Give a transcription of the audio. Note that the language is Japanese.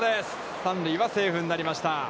三塁はセーフになりました。